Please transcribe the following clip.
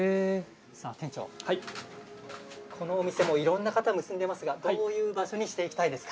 さあ店長、このお店もいろんな方、結んでいますが、どういう場所にしていきたいですか？